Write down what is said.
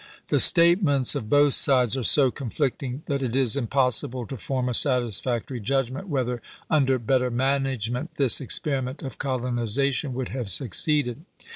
The statements of both sides are so conflicting that it is impossible to form a satisfactory judgment whether under better management this . experi ment of colonization would have succeeded.